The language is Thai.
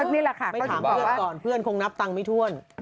ไม่ถามเพื่อนก่อนเพื่อนคงนับตังไม่ท่วน